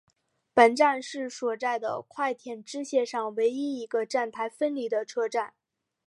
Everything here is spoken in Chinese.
本站是所在的快铁支线上唯一一个站台分离的车站。